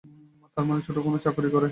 তার মানে ছোট কোনো চাকরি করে।